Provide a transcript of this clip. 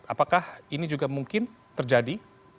apakah ini juga mungkin terjadi